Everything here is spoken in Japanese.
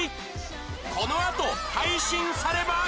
この後配信されます！